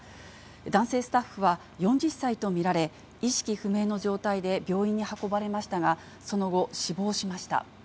男性スタッフは、４０歳と見られ、意識不明の状態で病院に運ばれましたが、その後、死亡しました。